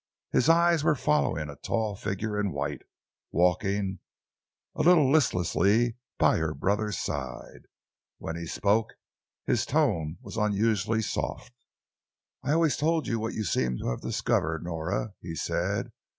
His eyes were following a tall figure in white, walking, a little listlessly by her brother's side. When he spoke, his tone was unusually soft. "I always told you what you seem to have discovered, Nora," he said.